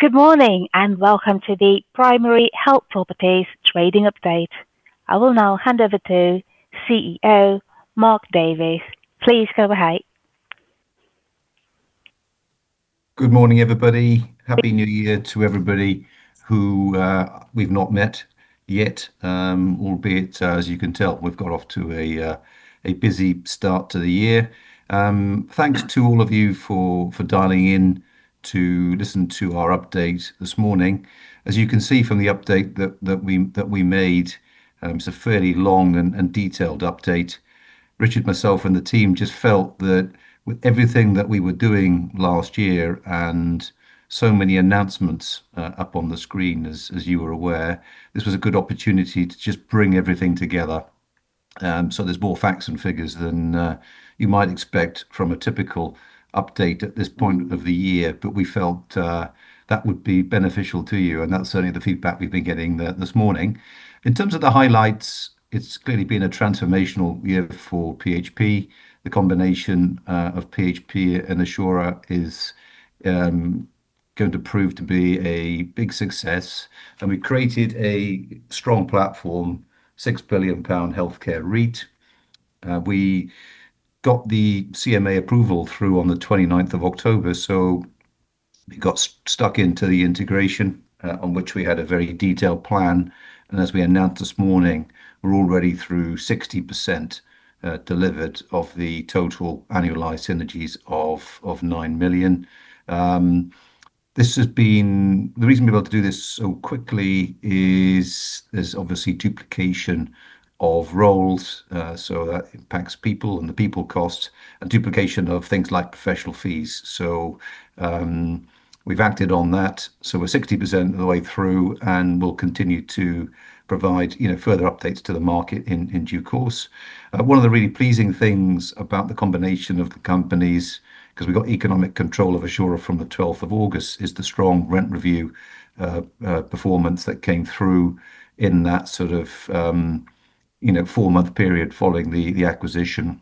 Good morning and welcome to the Primary Health Properties Trading Update. I will now hand over to CEO Mark Davies. Please go ahead. Good morning, everybody. Happy New Year to everybody who we've not met yet, albeit, as you can tell, we've got off to a busy start to the year. Thanks to all of you for dialing in to listen to our update this morning. As you can see from the update that we made, it's a fairly long and detailed update. Richard, myself, and the team just felt that with everything that we were doing last year and so many announcements, up on the screen, as you are aware, this was a good opportunity to just bring everything together, so there's more facts and figures than you might expect from a typical update at this point of the year, but we felt that would be beneficial to you, and that's certainly the feedback we've been getting this morning. In terms of the highlights, it's clearly been a transformational year for PHP. The combination of PHP and Assura is going to prove to be a big success, and we created a strong platform, 6 billion pound healthcare REIT. We got the CMA approval through on the 29th of October, so we got stuck into the integration, on which we had a very detailed plan, and as we announced this morning, we're already through 60% delivered of the total annualized synergies of 9 million. This has been the reason we've been able to do this so quickly is there's obviously duplication of roles, so that impacts people and the people costs and duplication of things like professional fees, so we've acted on that. We're 60% of the way through and we'll continue to provide, you know, further updates to the market in due course. One of the really pleasing things about the combination of the companies, 'cause we got economic control of Assura from the 12th of August, is the strong rent review performance that came through in that sort of, you know, four-month period following the acquisition,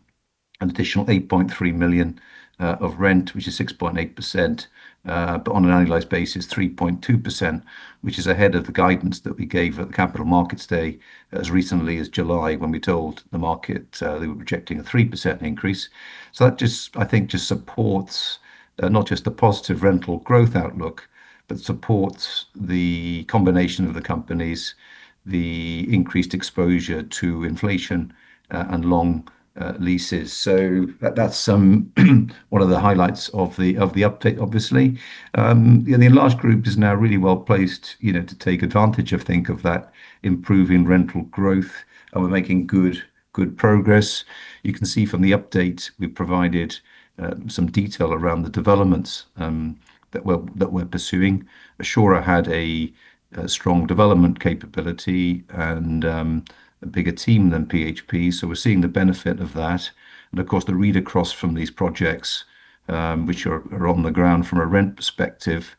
an additional 8.3 million of rent, which is 6.8%, but on an annualized basis, 3.2%, which is ahead of the guidance that we gave at the Capital Markets Day as recently as July when we told the market they were projecting a 3% increase. So that just, I think, just supports, not just the positive rental growth outlook, but supports the combination of the companies, the increased exposure to inflation, and long leases. So that, that's one of the highlights of the update, obviously. You know, the enlarged group is now really well placed, you know, to take advantage of, think of that improving rental growth, and we're making good, good progress. You can see from the update we've provided, some detail around the developments, that we're pursuing. Assura had a strong development capability and a bigger team than PHP. So we're seeing the benefit of that. And of course, the read across from these projects, which are on the ground from a rent perspective,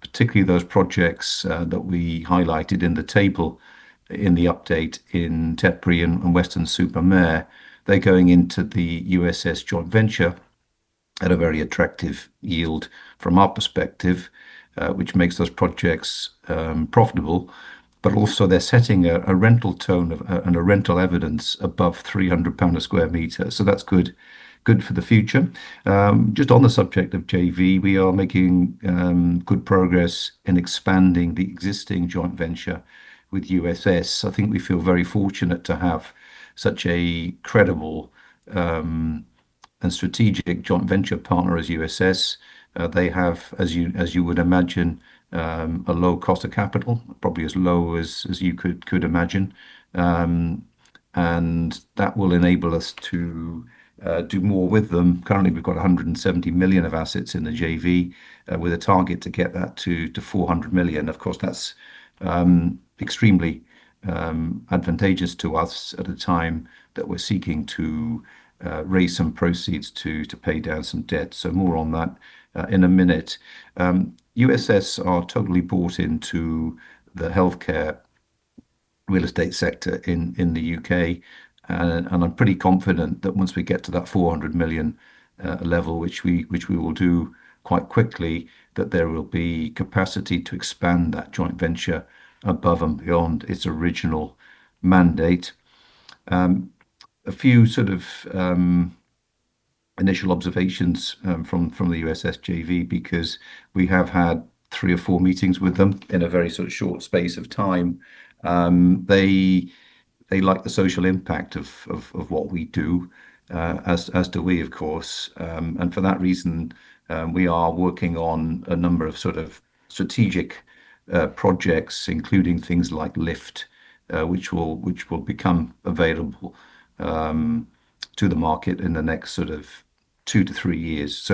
particularly those projects that we highlighted in the table in the update in Tetbury and Weston-super-Mare, they're going into the USS joint venture at a very attractive yield from our perspective, which makes those projects profitable, but also they're setting a rental tone of and a rental evidence above 300 pound a square meter. So that's good, good for the future. Just on the subject of JV, we are making good progress in expanding the existing joint venture with USS. I think we feel very fortunate to have such a credible and strategic joint venture partner as USS. They have, as you would imagine, a low cost of capital, probably as low as you could imagine, and that will enable us to do more with them. Currently, we've got 170 million of assets in the JV, with a target to get that to 400 million. Of course, that's extremely advantageous to us at a time that we're seeking to raise some proceeds to pay down some debt, so more on that in a minute. USS are totally bought into the healthcare real estate sector in the U.K. I'm pretty confident that once we get to that 400 million level, which we will do quite quickly, that there will be capacity to expand that joint venture above and beyond its original mandate. A few sort of initial observations from the USS JV, because we have had three or four meetings with them in a very sort of short space of time. They like the social impact of what we do, as do we, of course. And for that reason, we are working on a number of sort of strategic projects, including things like LIFT, which will become available to the market in the next sort of two to three years.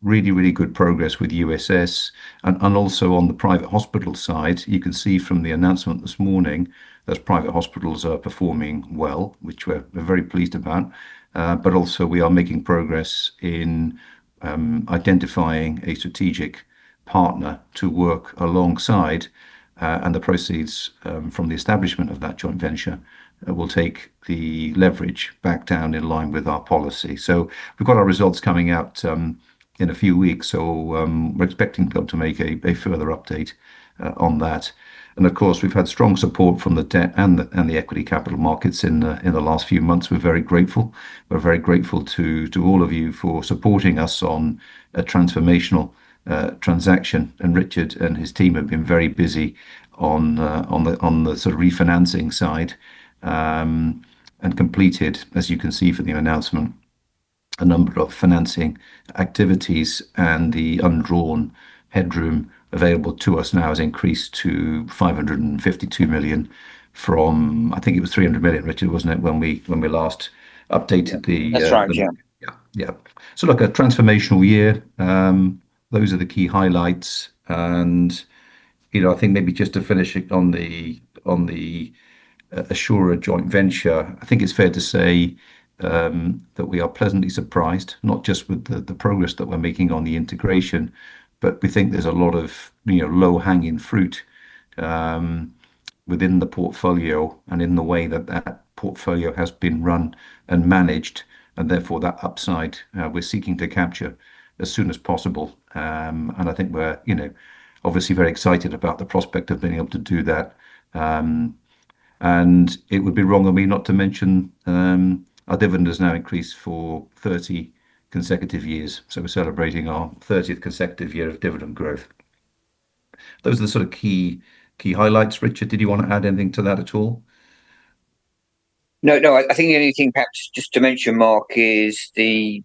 Really good progress with USS. And also on the private hospital side, you can see from the announcement this morning that private hospitals are performing well, which we're very pleased about. But also we are making progress in identifying a strategic partner to work alongside, and the proceeds from the establishment of that joint venture will take the leverage back down in line with our policy. So we've got our results coming out in a few weeks. So, we're expecting them to make a further update on that. And of course, we've had strong support from the debt and the equity capital markets in the last few months. We're very grateful to all of you for supporting us on a transformational transaction. Richard and his team have been very busy on the sort of refinancing side and completed, as you can see from the announcement, a number of financing activities. The undrawn headroom available to us now has increased to 552 million from, I think it was 300 million, Richard, wasn't it? When we last updated the, That's right, yeah. Yeah. So look, a transformational year. Those are the key highlights, and you know, I think maybe just to finish it on the Assura joint venture, I think it's fair to say that we are pleasantly surprised, not just with the progress that we're making on the integration, but we think there's a lot of, you know, low hanging fruit within the portfolio and in the way that portfolio has been run and managed, and therefore that upside we're seeking to capture as soon as possible, and I think we're, you know, obviously very excited about the prospect of being able to do that, and it would be wrong of me not to mention our dividend has now increased for 30 consecutive years. So we're celebrating our 30th consecutive year of dividend growth. Those are the sort of key, key highlights. Richard, did you wanna add anything to that at all? No, no. I think the only thing perhaps just to mention, Mark, is the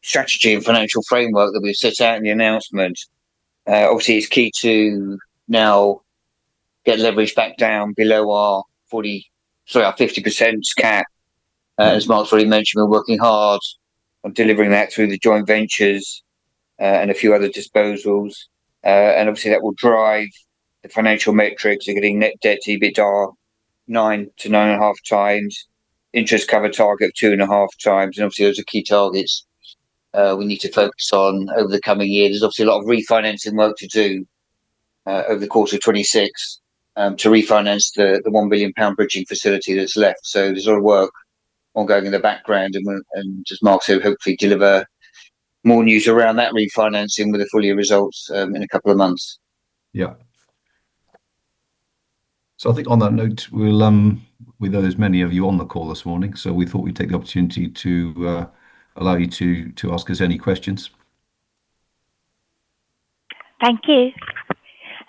strategy and financial framework that we've set out in the announcement. Obviously is key to now get leverage back down below our 40, sorry, our 50% cap. As Mark's already mentioned, we're working hard on delivering that through the joint ventures, and a few other disposals. And obviously that will drive the financial metrics. We're getting net debt EBITDA 9x-9.5x, interest cover target of 2.5x. And obviously those are key targets we need to focus on over the coming year. There's obviously a lot of refinancing work to do, over the course of 2026, to refinance the £1 billion bridging facility that's left. So there's a lot of work ongoing in the background. As Mark said, hopefully deliver more news around that refinancing with the full year results in a couple of months. Yeah. So I think on that note, we'll, with so many of you on the call this morning, so we thought we'd take the opportunity to allow you to ask us any questions. Thank you.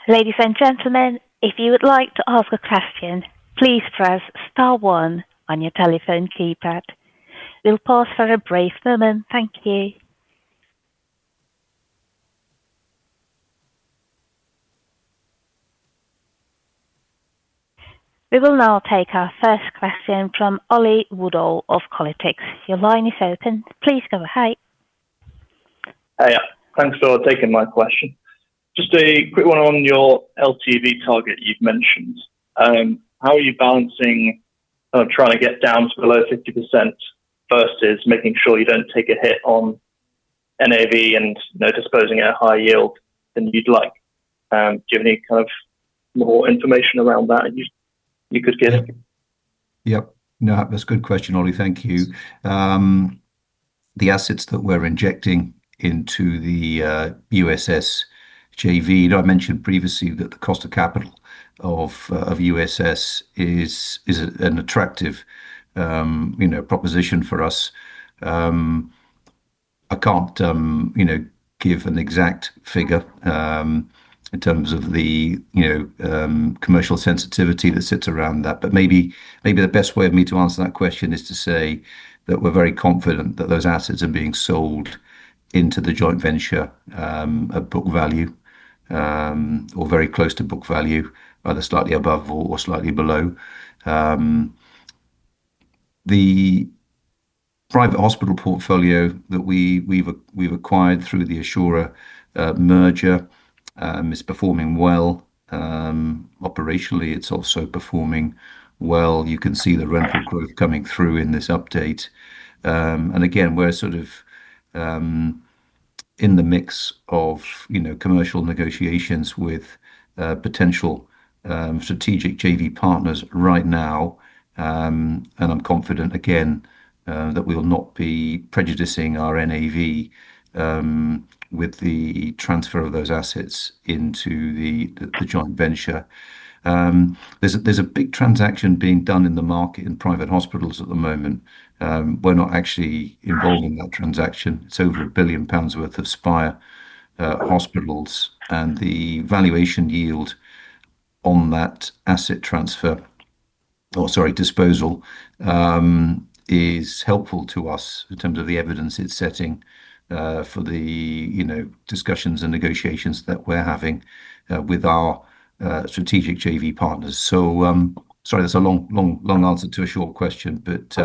Ladies and gentlemen, if you would like to ask a question, please press star one on your telephone keypad. We'll pause for a brief moment. Thank you. We will now take our first question from Oli Woodall of Kolytics. Your line is open. Please go ahead. Hey, yeah. Thanks for taking my question. Just a quick one on your LTV target you've mentioned. How are you balancing trying to get down to below 50% versus making sure you don't take a hit on NAV and, you know, disposing at a high yield than you'd like? Do you have any kind of more information around that you could give? Yep. No, that's a good question, Oli. Thank you. The assets that we're injecting into the USS JV, you know, I mentioned previously that the cost of capital of USS is an attractive, you know, proposition for us. I can't, you know, give an exact figure, in terms of the, you know, commercial sensitivity that sits around that. But maybe the best way of me to answer that question is to say that we're very confident that those assets are being sold into the joint venture, at book value, or very close to book value, either slightly above or slightly below. The private hospital portfolio that we've acquired through the Assura merger is performing well. Operationally, it's also performing well. You can see the rental growth coming through in this update. And again, we're sort of in the mix of, you know, commercial negotiations with potential strategic JV partners right now. And I'm confident again that we'll not be prejudicing our NAV with the transfer of those assets into the joint venture. There's a big transaction being done in the market in private hospitals at the moment. We're not actually involved in that transaction. It's over 1 billion pounds worth of Spire hospitals. And the valuation yield on that asset transfer, or sorry, disposal, is helpful to us in terms of the evidence it's setting for the, you know, discussions and negotiations that we're having with our strategic JV partners. So sorry, that's a long, long, long answer to a short question, but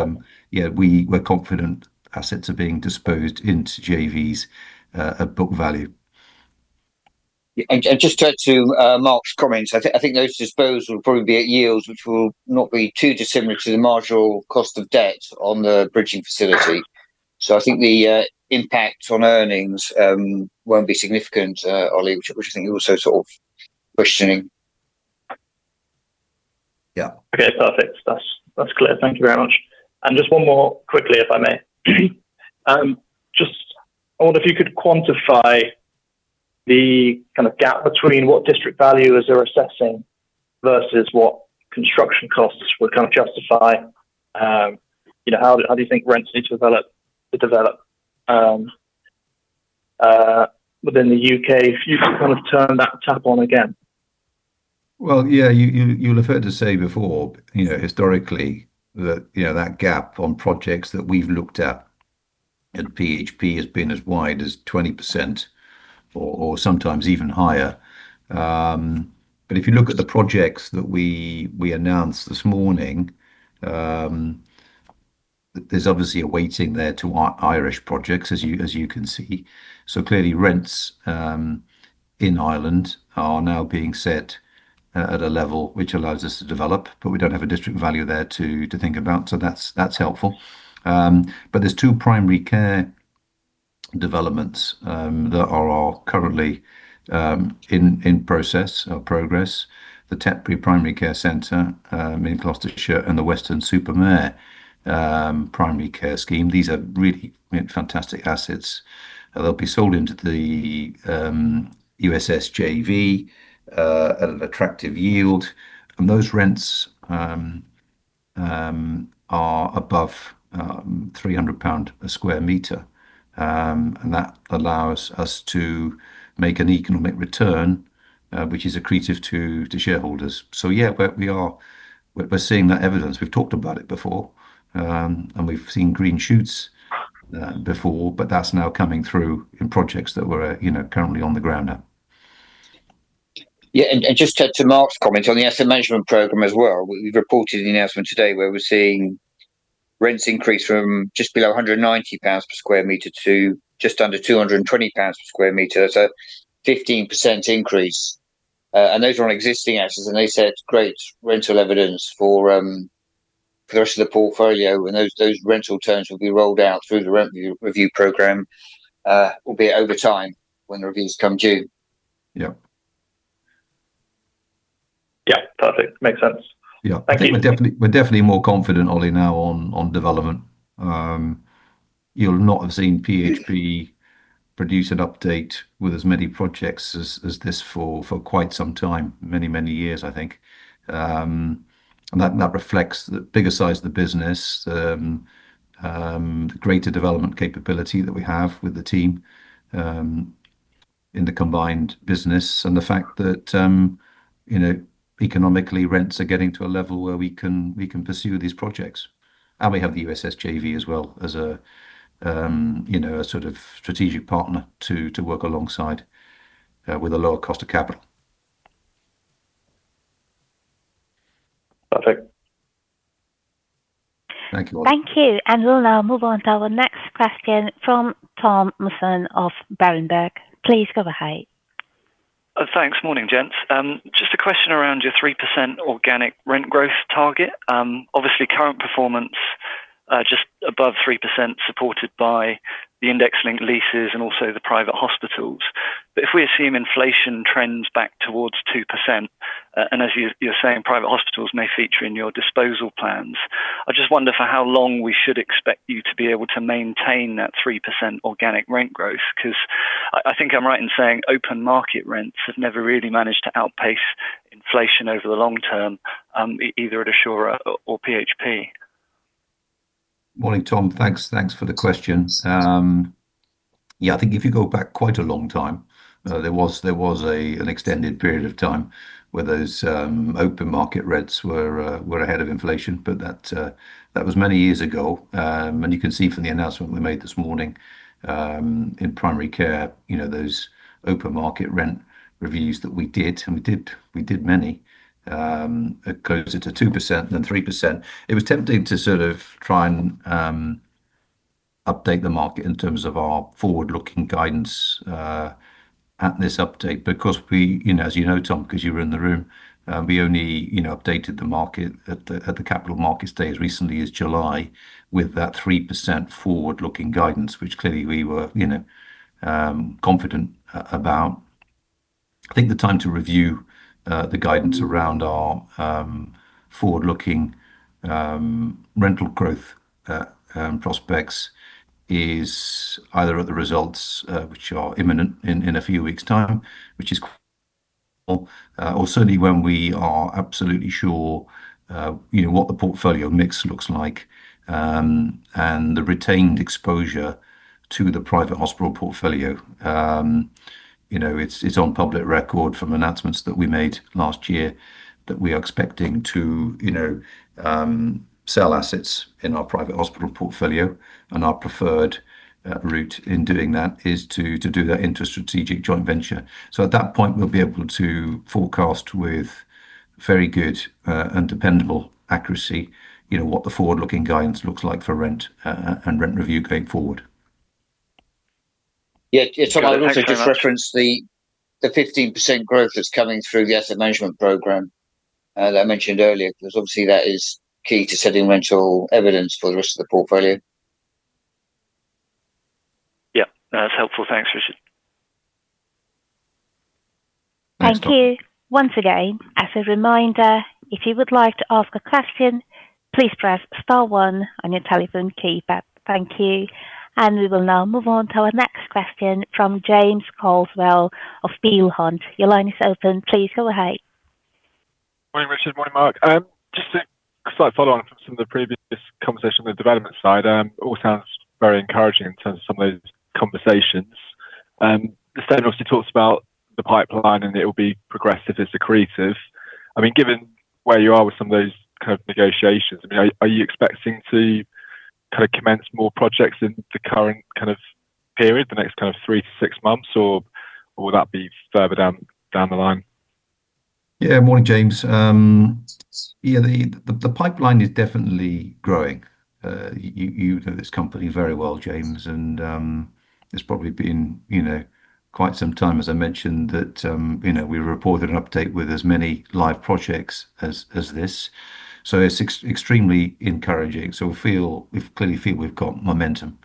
yeah, we're confident assets are being disposed into JVs at book value. Yeah. And just to Mark's comments, I think those disposals will probably be at yields which will not be too dissimilar to the marginal cost of debt on the bridging facility. So I think the impact on earnings won't be significant, Oli, which I think you're also sort of questioning. Yeah. Okay. Perfect. That's clear. Thank you very much. And just one more quickly, if I may. I wonder if you could quantify the kind of gap between what district valuer is they're assessing versus what construction costs would kind of justify, you know, how do you think rents need to develop within the U.K. if you could kind of turn that tap on again? Yeah, you'll have heard us say before, you know, historically that, you know, that gap on projects that we've looked at at PHP has been as wide as 20% or sometimes even higher. But if you look at the projects that we announced this morning, there's obviously a weighting there to Irish projects, as you can see. So clearly rents in Ireland are now being set at a level which allows us to develop, but we don't have a district valuer there to think about. So that's helpful. But there's two primary care developments that are currently in process or progress. The Tetbury Primary Care Center in Gloucestershire and the Weston-super-Mare primary care scheme. These are really fantastic assets. They'll be sold into the USS JV at an attractive yield. And those rents are above 300 pound a square meter. and that allows us to make an economic return, which is accretive to shareholders. So yeah, we're seeing that evidence. We've talked about it before, and we've seen green shoots before, but that's now coming through in projects that we're you know currently on the ground now. Yeah. And just to Mark's comment on the asset management program as well, we've reported the announcement today where we're seeing rents increase from just below 190 pounds per square meter to just under 220 pounds per square meter. That's a 15% increase. And those are on existing assets. And they said great rental evidence for the rest of the portfolio. And those rental terms will be rolled out through the rent review program, albeit over time when the reviews come due. Yeah. Yeah. Perfect. Makes sense. Yeah. Thank you. We're definitely, we're definitely more confident, Oli, now on development. You'll not have seen PHP produce an update with as many projects as this for quite some time, many years, I think. And that reflects the bigger size of the business, the greater development capability that we have with the team in the combined business. And the fact that, you know, economically rents are getting to a level where we can pursue these projects. And we have the USS JV as well as, you know, a sort of strategic partner to work alongside with a lower cost of capital. Perfect. Thank you. Thank you. And we'll now move on to our next question from Tom Musson of Berenberg. Please go ahead. Thanks. Morning, gents. Just a question around your 3% organic rent growth target. Obviously current performance, just above 3% supported by the index linked leases and also the private hospitals. But if we assume inflation trends back towards 2%, and as you, you're saying, private hospitals may feature in your disposal plans, I just wonder for how long we should expect you to be able to maintain that 3% organic rent growth? 'Cause I, I think I'm right in saying open market rents have never really managed to outpace inflation over the long term, either at Assura or PHP. Morning, Tom. Thanks. Thanks for the question. Yeah, I think if you go back quite a long time, there was an extended period of time where those open market rents were ahead of inflation. But that was many years ago. And you can see from the announcement we made this morning, in primary care, you know, those open market rent reviews that we did, and we did many, closer to 2% than 3%. It was tempting to sort of try and update the market in terms of our forward-looking guidance at this update because we, you know, as you know, Tom, 'cause you were in the room, we only, you know, updated the market at the capital market stage recently as July with that 3% forward-looking guidance, which clearly we were, you know, confident about. I think the time to review the guidance around our forward-looking rental growth prospects is either at the results, which are imminent in a few weeks' time, or certainly when we are absolutely sure, you know, what the portfolio mix looks like, and the retained exposure to the private hospital portfolio. You know, it's on public record from announcements that we made last year that we are expecting to, you know, sell assets in our private hospital portfolio, and our preferred route in doing that is to do that into a strategic joint venture, so at that point, we'll be able to forecast with very good and dependable accuracy, you know, what the forward-looking guidance looks like for rent and rent review going forward. Yeah. It's something I'd also just reference the 15% growth that's coming through the asset management program, that I mentioned earlier, 'cause obviously that is key to setting rental evidence for the rest of the portfolio. Yeah. That's helpful. Thanks, Richard. Thank you. Once again, as a reminder, if you would like to ask a question, please press star one on your telephone keypad. Thank you. And we will now move on to our next question from James Carswell of Peel Hunt. Your line is open. Please go ahead. Morning, Richard. Morning, Mark. Just a slight follow-on from some of the previous conversation on the development side, all sounds very encouraging in terms of some of those conversations. The statement obviously talks about the pipeline and it will be progressively accretive. I mean, given where you are with some of those kind of negotiations, I mean, are you expecting to kind of commence more projects in the current kind of period, the next kind of three to six months, or will that be further down the line? Yeah. Morning, James. Yeah, the pipeline is definitely growing. You know this company very well, James, and it's probably been you know quite some time, as I mentioned, that you know we reported an update with as many live projects as this. So it's extremely encouraging. So we feel we clearly feel we've got momentum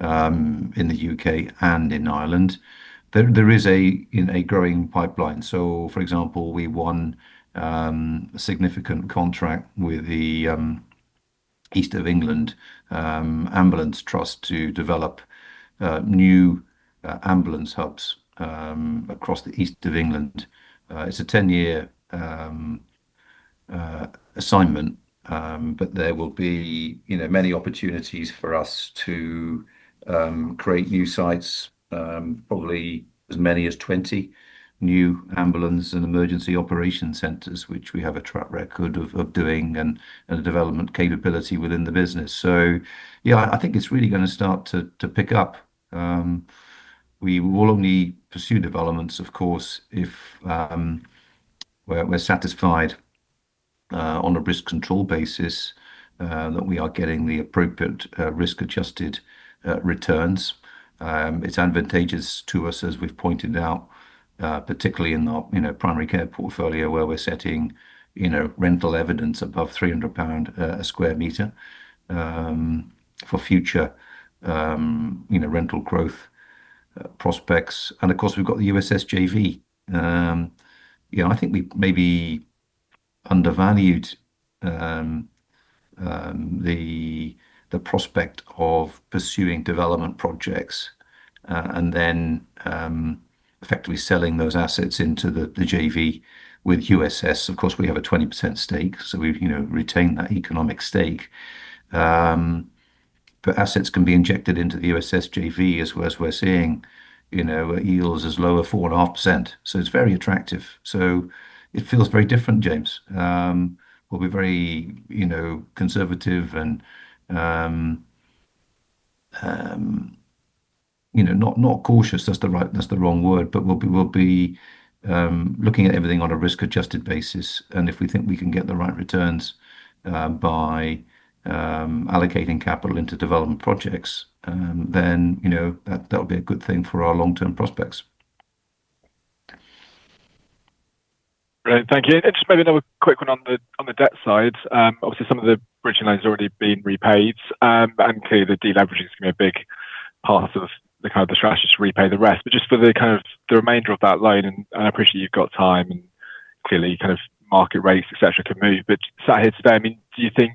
in the U.K. and in Ireland. There is a you know a growing pipeline. So for example, we won a significant contract with the East of England Ambulance Trust to develop new ambulance hubs across the East of England. It's a 10-year assignment, but there will be you know many opportunities for us to create new sites, probably as many as 20 new ambulance and emergency operation centers, which we have a track record of doing and a development capability within the business. So yeah, I think it's really gonna start to pick up. We will only pursue developments, of course, if we're satisfied on a risk control basis that we are getting the appropriate risk-adjusted returns. It's advantageous to us, as we've pointed out, particularly in our you know primary care portfolio where we're setting you know rental evidence above 300 pound a square meter for future you know rental growth prospects. And of course, we've got the USS JV. You know, I think we maybe undervalued the prospect of pursuing development projects and then effectively selling those assets into the JV with USS. Of course, we have a 20% stake, so we you know retain that economic stake. But assets can be injected into the USS JV as well as we're seeing you know yields as low as 4.5%. So it's very attractive. So it feels very different, James. We'll be very, you know, conservative and, you know, not cautious, that's the right, that's the wrong word, but we'll be looking at everything on a risk-adjusted basis. And if we think we can get the right returns by allocating capital into development projects, then, you know, that, that'll be a good thing for our long-term prospects. Great. Thank you. And just maybe another quick one on the debt side. Obviously some of the bridging loans have already been repaid, and clearly the deleveraging's gonna be a big part of the kind of the strategy to repay the rest. But just for the kind of the remainder of that loan, and I appreciate you've got time and clearly kind of market rates, et cetera, can move. But sat here today, I mean, do you think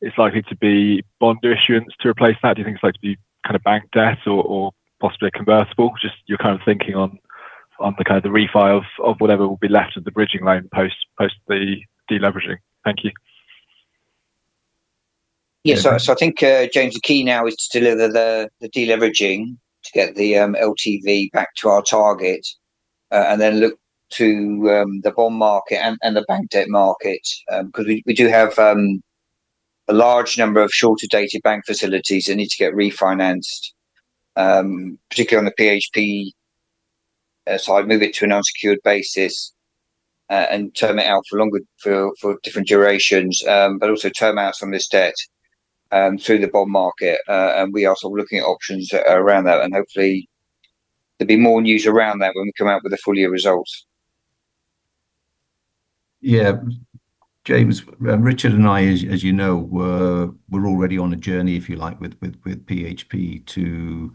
it's likely to be bond issuance to replace that? Do you think it's likely to be kind of bank debt or possibly a convertible? Just you're kind of thinking on the kind of the refi of whatever will be left of the bridging loan post the deleveraging. Thank you. Yeah. So I think, James, the key now is to deliver the deleveraging to get the LTV back to our target, and then look to the bond market and the bank debt market, 'cause we do have a large number of shorter dated bank facilities that need to get refinanced, particularly on the PHP side, move it to an unsecured basis, and term it out for longer, for different durations, but also term out some of this debt through the bond market. And we are sort of looking at options around that, and hopefully there'll be more news around that when we come out with the full year results. Yeah. James, Richard and I, as you know, were already on a journey, if you like, with PHP to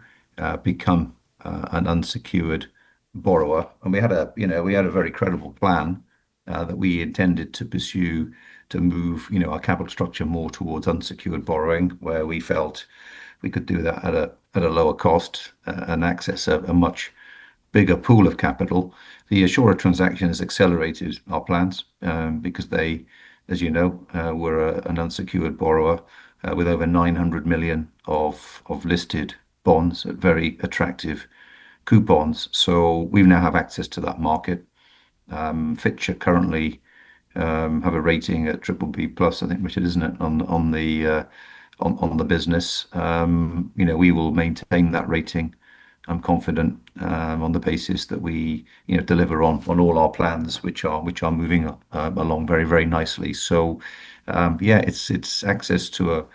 become an unsecured borrower. And we had a, you know, we had a very credible plan, that we intended to pursue to move, you know, our capital structure more towards unsecured borrowing where we felt we could do that at a lower cost, and access a much bigger pool of capital. The Assura transaction has accelerated our plans, because they, as you know, were an unsecured borrower, with over 900 million of listed bonds, very attractive coupons. So we now have access to that market. Fitch currently have a rating at BBB+, I think, Richard, isn't it? On the business. You know, we will maintain that rating. I'm confident, on the basis that we, you know, deliver on all our plans, which are moving along very, very nicely. So, yeah, it's access to a,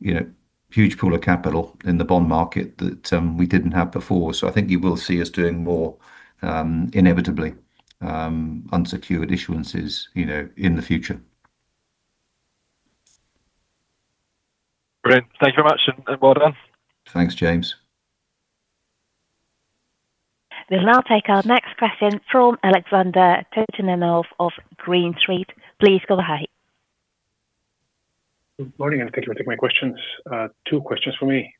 you know, huge pool of capital in the bond market that we didn't have before. So I think you will see us doing more, inevitably, unsecured issuances, you know, in the future. Brilliant. Thank you very much and well done. Thanks, James. We'll now take our next question from Alexander Totomanov of Green Street. Please go ahead. Good morning and thank you for taking my questions. Two questions for me.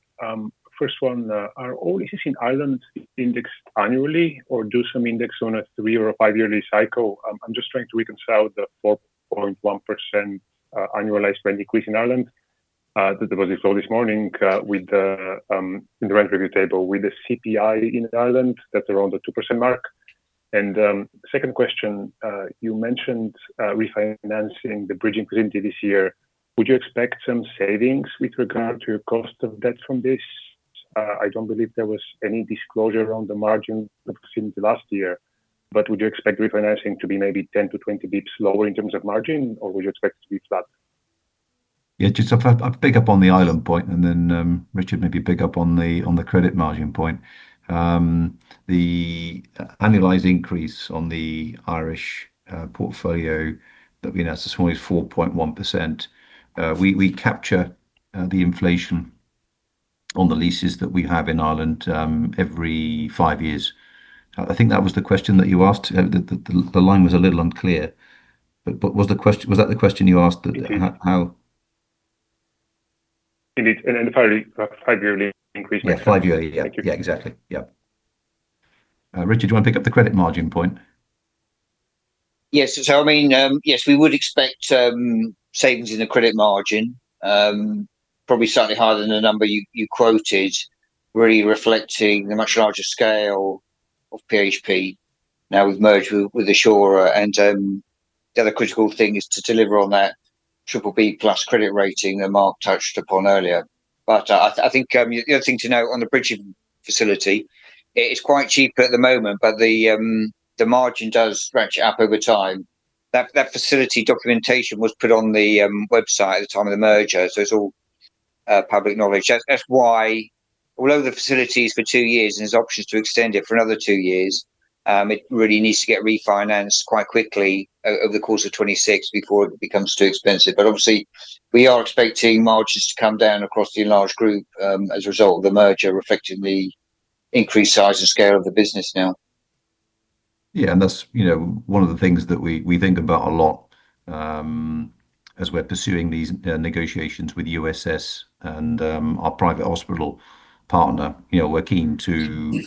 First one, are all ECC in Ireland indexed annually or do some index on a three or a five-year cycle? I'm just trying to reconcile the 4.1% annualized rent increase in Ireland, that was explored this morning, with the, in the rent review table with the CPI in Ireland, that's around the 2% mark, and second question, you mentioned refinancing the bridging facility this year. Would you expect some savings with regard to your cost of debt from this? I don't believe there was any disclosure on the margin facility last year, but would you expect refinancing to be maybe 10-20 basis points lower in terms of margin, or would you expect it to be flat? Yeah, just, so I'll pick up on the Ireland point and then, Richard, maybe pick up on the, on the credit margin point. The annualized increase on the Irish portfolio that we announced this morning is 4.1%. We capture the inflation on the leases that we have in Ireland every five years. I think that was the question that you asked. The line was a little unclear, but was the question, was that the question you asked that how, how? Indeed. And the five-year increase? Yeah, five-yearly. Yeah. Yeah, exactly. Yeah. Richard, do you wanna pick up the credit margin point? Yes. So I mean, yes, we would expect savings in the credit margin, probably slightly higher than the number you quoted, really reflecting a much larger scale of PHP now we've merged with Assura. And the other critical thing is to deliver on that BBB+ credit rating that Mark touched upon earlier. But I think the other thing to note on the bridging facility, it's quite cheap at the moment, but the margin does step up over time. That facility documentation was put on the website at the time of the merger, so it's all public knowledge. That's why, although the facility is for two years and there's options to extend it for another two years, it really needs to get refinanced quite quickly over the course of 2026 before it becomes too expensive. But obviously, we are expecting margins to come down across the enlarged group, as a result of the merger, reflecting the increased size and scale of the business now. Yeah. And that's, you know, one of the things that we think about a lot, as we're pursuing these negotiations with USS and our private hospital partner. You know, we're keen to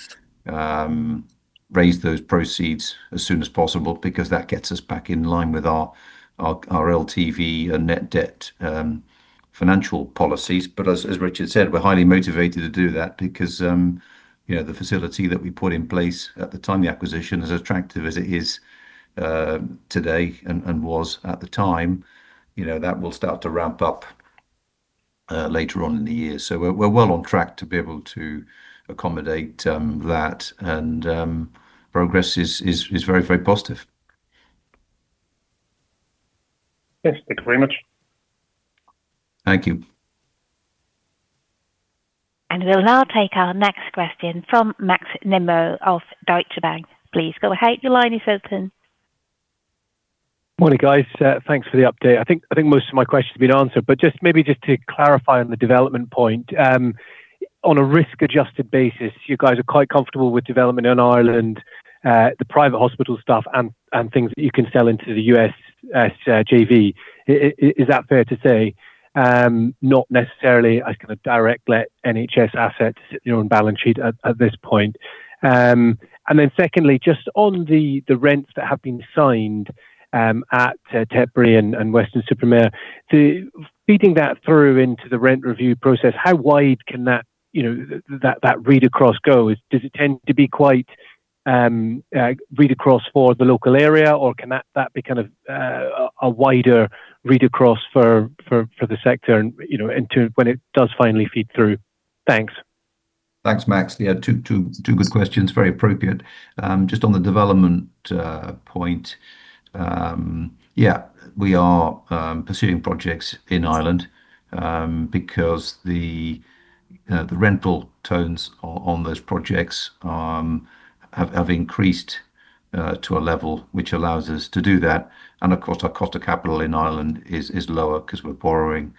raise those proceeds as soon as possible because that gets us back in line with our LTV, net debt, financial policies. But as Richard said, we're highly motivated to do that because, you know, the facility that we put in place at the time of the acquisition, as attractive as it is today and was at the time, you know, that will start to ramp up later on in the year. So we're well on track to be able to accommodate that. And progress is very, very positive. Yes. Thank you very much. Thank you. We'll now take our next question from Max Nimmo of Deutsche Bank. Please go ahead. Your line is open. Morning, guys. Thanks for the update. I think most of my questions have been answered, but just maybe to clarify on the development point, on a risk-adjusted basis, you guys are quite comfortable with development in Ireland, the private hospital stuff and things that you can sell into the USS, JV. Is that fair to say? Not necessarily. I kind of expect you'd let NHS assets sit in your own balance sheet at this point. Then secondly, just on the rents that have been signed at Tetbury and Weston-super-Mare, then feeding that through into the rent review process, how wide can that, you know, read across go? Does it tend to be quite read across for the local area, or can that be kind of a wider read across for the sector and, you know, into when it does finally feed through? Thanks. Thanks, Max. Yeah. Two good questions. Very appropriate. Just on the development point, yeah, we are pursuing projects in Ireland, because the rental terms on those projects have increased to a level which allows us to do that. And of course, our cost of capital in Ireland is lower 'cause we're borrowing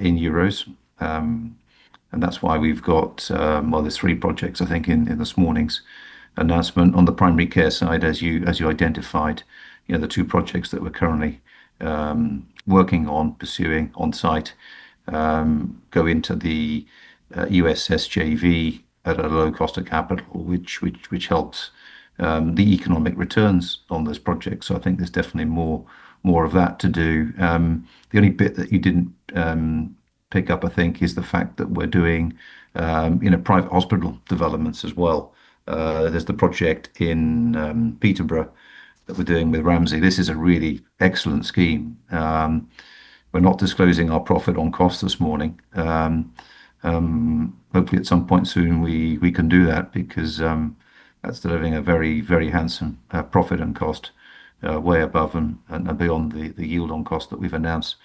in euros. And that's why we've got. Well, there's three projects, I think, in this morning's announcement on the primary care side, as you identified, you know, the two projects that we're currently working on, pursuing onsite, go into the USS JV at a low cost of capital, which helps the economic returns on those projects. So I think there's definitely more of that to do. The only bit that you didn't pick up, I think, is the fact that we're doing, you know, private hospital developments as well. There's the project in Peterborough that we're doing with Ramsay. This is a really excellent scheme. We're not disclosing our yield on cost this morning. Hopefully at some point soon we can do that because that's delivering a very, very handsome yield on cost, way above and beyond the yield on cost that we've announced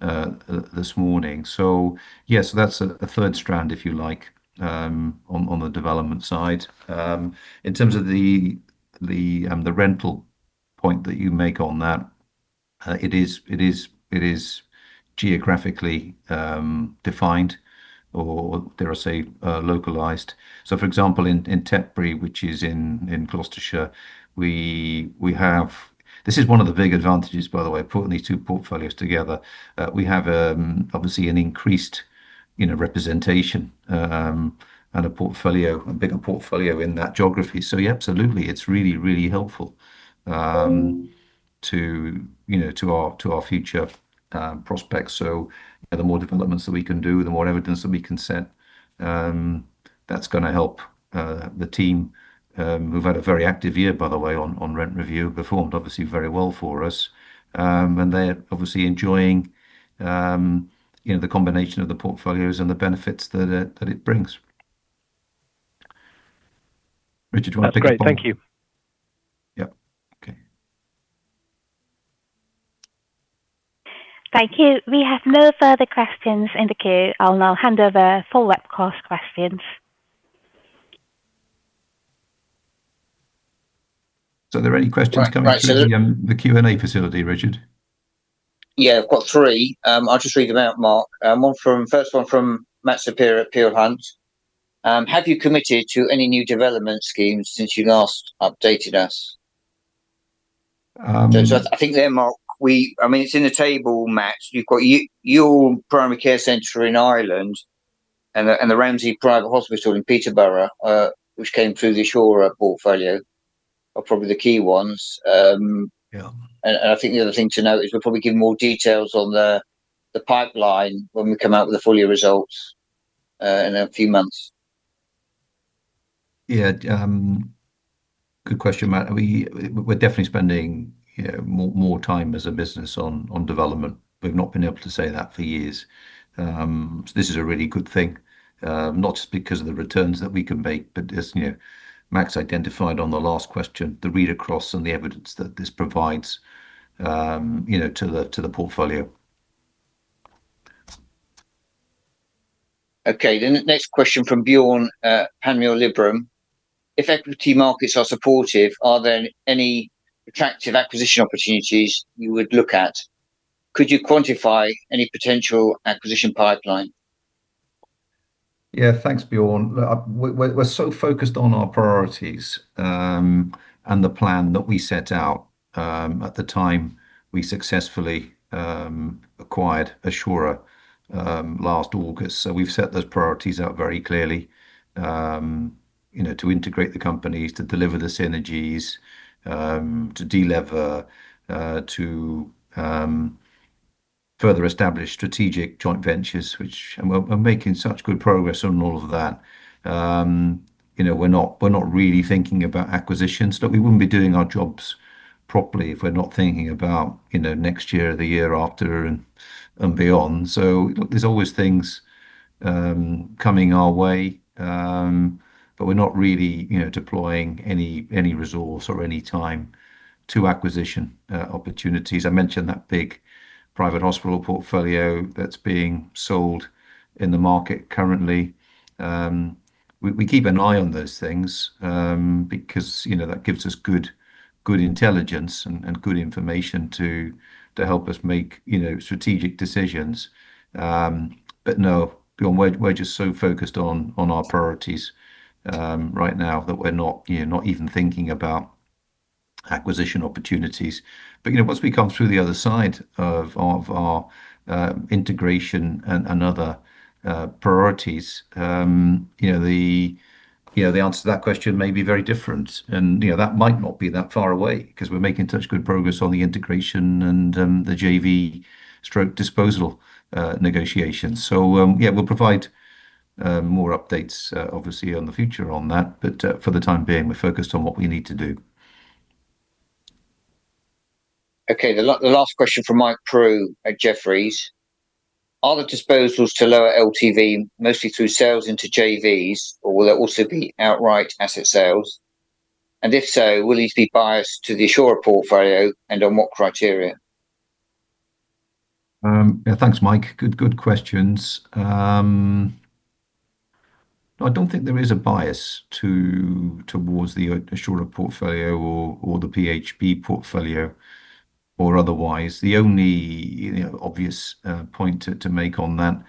this morning. So yeah, so that's a third strand, if you like, on the development side. In terms of the rental point that you make on that, it is geographically defined or there are, say, localized. So for example, in Tetbury, which is in Gloucestershire, we have. This is one of the big advantages, by the way, putting these two portfolios together. We have, obviously an increased, you know, representation, and a portfolio, a bigger portfolio in that geography. So yeah, absolutely. It's really, really helpful, to, you know, to our future prospects. So, you know, the more developments that we can do, the more evidence that we can send, that's gonna help the team, who've had a very active year, by the way, on rent review performed obviously very well for us. And they're obviously enjoying, you know, the combination of the portfolios and the benefits that it brings. Richard, do you wanna take a quick? Great. Thank you. Yep. Okay. Thank you. We have no further questions in the queue. I'll now hand over for webcast questions. So are there any questions coming from the Q&A facility, Richard? Yeah, I've got three. I'll just read them out, Mark. One from, first one from Matt Saperia at Peel Hunt. Have you committed to any new development schemes since you last updated us? So I, I think there, Matt, we, I mean, it's in the table, Matt. You've got you, your primary care center in Ireland and the, and the Ramsay private hospital in Peterborough, which came through the Assura portfolio are probably the key ones. Yeah. I think the other thing to note is we'll probably give more details on the pipeline when we come out with the full year results, in a few months. Yeah. Good question, Matt. We, we're definitely spending, you know, more, more time as a business on, on development. We've not been able to say that for years. So this is a really good thing, not just because of the returns that we can make, but as, you know, Max identified on the last question, the read across and the evidence that this provides, you know, to the, to the portfolio. Okay. Then the next question from Bjorn, Panmure Liberum. If equity markets are supportive, are there any attractive acquisition opportunities you would look at? Could you quantify any potential acquisition pipeline? Yeah. Thanks, Bjorn. Look, we're so focused on our priorities, and the plan that we set out, at the time we successfully acquired Assura, last August. So we've set those priorities out very clearly, you know, to integrate the companies, to deliver the synergies, to further establish strategic joint ventures, and we're making such good progress on all of that. You know, we're not really thinking about acquisitions. Look, we wouldn't be doing our jobs properly if we're not thinking about, you know, next year, the year after, and beyond. So look, there's always things coming our way, but we're not really, you know, deploying any resource or any time to acquisition opportunities. I mentioned that big private hospital portfolio that's being sold in the market currently. We keep an eye on those things because you know that gives us good intelligence and good information to help us make you know strategic decisions, but no, Bjorn, we're just so focused on our priorities right now that we're not you know not even thinking about acquisition opportunities. But you know once we come through the other side of our integration and other priorities you know the answer to that question may be very different. And you know that might not be that far away 'cause we're making such good progress on the integration and the JV stroke disposal negotiations. So yeah we'll provide more updates obviously on the future on that, but for the time being we're focused on what we need to do. Okay. The last question from Mike Prew at Jefferies. Are the disposals to lower LTV mostly through sales into JVs, or will there also be outright asset sales? And if so, will these be biased to the Assura portfolio and on what criteria? Yeah. Thanks, Mike. Good, good questions. I don't think there is a bias to, towards the Assura portfolio or, or the PHP portfolio or otherwise. The only, you know, obvious, point to, to make on that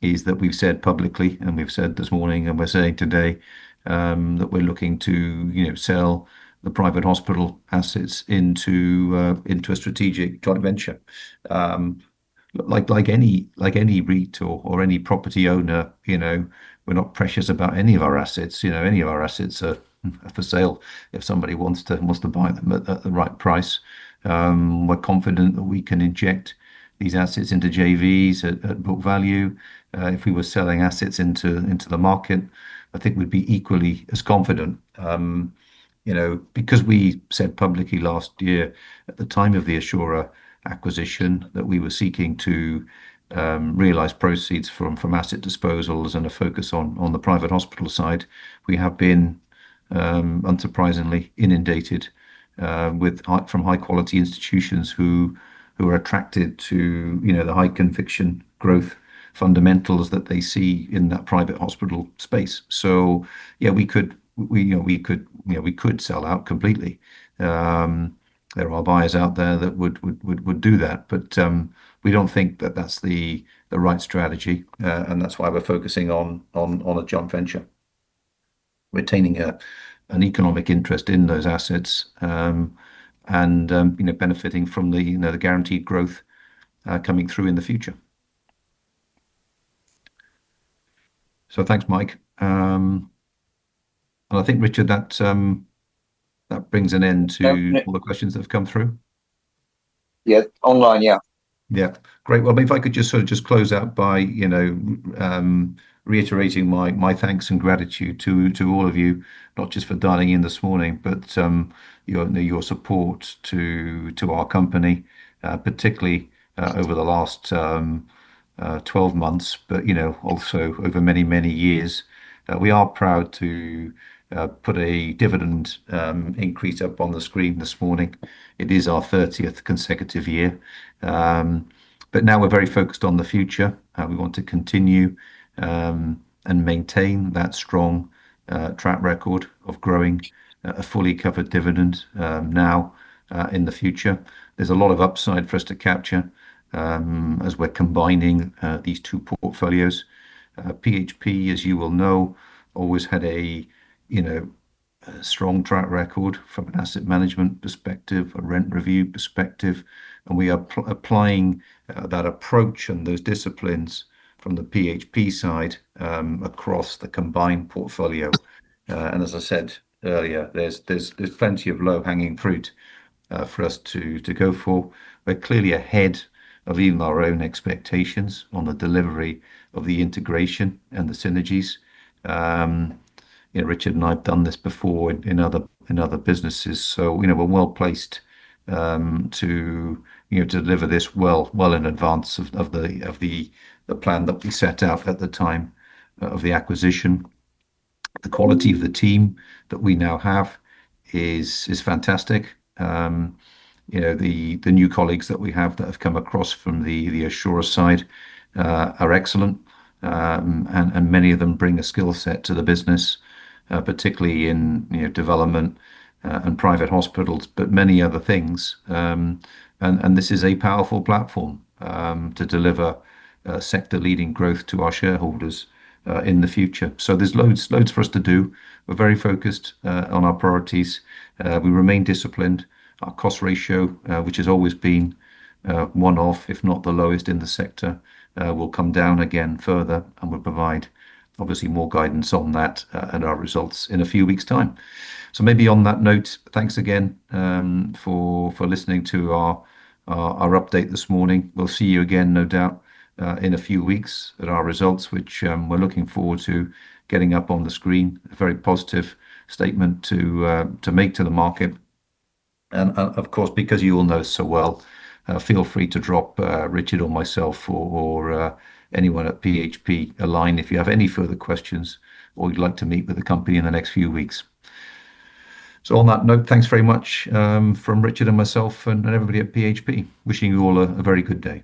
is that we've said publicly and we've said this morning and we're saying today, that we're looking to, you know, sell the private hospital assets into, into a strategic joint venture. Like, like any, like any REIT or, or any property owner, you know, we're not precious about any of our assets. You know, any of our assets are for sale if somebody wants to, wants to buy them at, at the right price. We're confident that we can inject these assets into JVs at, at book value. If we were selling assets into the market, I think we'd be equally as confident, you know, because we said publicly last year at the time of the Assura acquisition that we were seeking to realize proceeds from asset disposals and a focus on the private hospital side. We have been unsurprisingly inundated with interest from high quality institutions who are attracted to, you know, the high conviction growth fundamentals that they see in that private hospital space. So yeah, we could sell out completely. There are buyers out there that would do that. But we don't think that that's the right strategy. And that's why we're focusing on a joint venture, retaining an economic interest in those assets, and, you know, benefiting from the, you know, the guaranteed growth coming through in the future. So thanks, Mike. And I think, Richard, that brings an end to all the questions that have come through. Yeah. Online. Yeah. Yeah. Great. Well, maybe if I could just sort of close out by, you know, reiterating my thanks and gratitude to all of you, not just for dialing in this morning, but your support to our company, particularly over the last 12 months, but, you know, also over many years. We are proud to put a dividend increase up on the screen this morning. It is our 30th consecutive year. But now we're very focused on the future. We want to continue and maintain that strong track record of growing a fully covered dividend in the future. There's a lot of upside for us to capture, as we're combining these two portfolios. PHP, as you will know, always had a, you know, strong track record from an asset management perspective, a rent review perspective. And we are applying that approach and those disciplines from the PHP side across the combined portfolio. And as I said earlier, there's plenty of low hanging fruit for us to go for. We're clearly ahead of even our own expectations on the delivery of the integration and the synergies. You know, Richard and I've done this before in other businesses. So you know, we're well placed to you know, deliver this well in advance of the plan that we set out at the time of the acquisition. The quality of the team that we now have is fantastic. You know, the new colleagues that we have that have come across from the Assura side are excellent. And many of them bring a skillset to the business, particularly in, you know, development, and private hospitals, but many other things. And this is a powerful platform to deliver sector-leading growth to our shareholders in the future. So there's loads for us to do. We're very focused on our priorities. We remain disciplined. Our cost ratio, which has always been one-off, if not the lowest in the sector, will come down again further, and we'll provide obviously more guidance on that, and our results in a few weeks' time. So maybe on that note, thanks again for listening to our update this morning. We'll see you again, no doubt, in a few weeks at our results, which we're looking forward to getting up on the screen, a very positive statement to make to the market. Of course, because you all know so well, feel free to drop Richard or myself or anyone at PHP a line if you have any further questions or you'd like to meet with the company in the next few weeks. On that note, thanks very much from Richard and myself and everybody at PHP. Wishing you all a very good day.